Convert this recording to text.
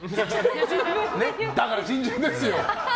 だから珍獣ですよ！